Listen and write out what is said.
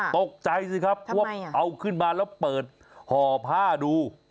ตกใจสิครับเพราะว่าเอาขึ้นมาแล้วเปิดห่อผ้าดู